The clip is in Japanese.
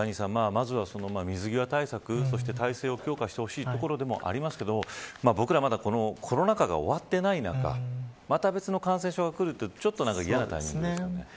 まずは、水際対策そして体制を強化してほしいところでもありますけど僕ら、まだコロナ禍が終わっていない中また別の感染症がくるって嫌なタイミングですよね。